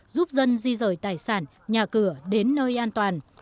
giúp dân di rời tài sản nhà cửa đến nơi an toàn